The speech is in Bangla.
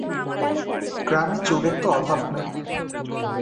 গ্রামে চোরের তো অভাব নাই।